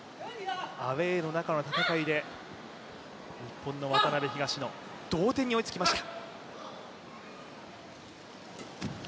アウェーの中の戦いで、今度は渡辺・東野、同点に追いつきました。